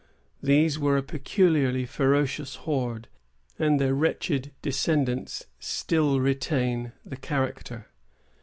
These were a peculiarly ferocious horde, and their wretched descendants still retain the character.